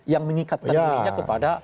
yang mengikatkan kewenangannya kepada